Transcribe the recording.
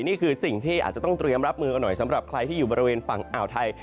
นี่คือสิ่งที่อาจจะต้องเตรียมรับมือกันหน่อยสำหรับใครที่อยู่บริเวณฝั่งอ่าวไทย